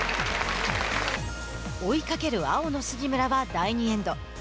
追いかける青の杉村は第２エンド。